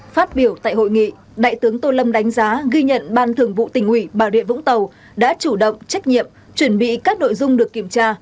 phát biểu tại hội nghị đại tướng tô lâm đánh giá ghi nhận ban thường vụ tỉnh ủy bà rịa vũng tàu đã chủ động trách nhiệm chuẩn bị các nội dung được kiểm tra